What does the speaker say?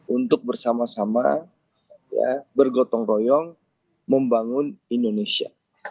untuk bersama sama bergotong royong membangun indonesia